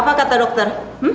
apa kata dokter